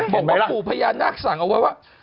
บอกว่าปู่พญานาคสั่งเอาไว้ว่า